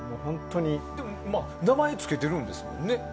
名前つけているんですもんね。